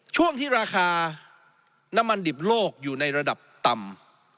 ช่วงที่ราคาน้ำมันดิบโลกอยู่ในระดับต่ำ